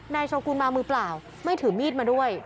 โชกุลมามือเปล่าไม่ถือมีดมาด้วย